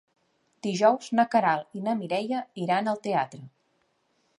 Dijous na Queralt i na Mireia iran al teatre.